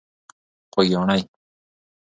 خوږیاڼۍ.